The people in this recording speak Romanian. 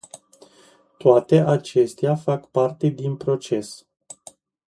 Toate acestea fac parte din proces.